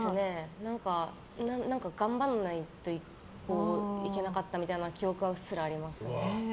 何か、頑張らないといけなかったみたいな記憶はうっすらありますね。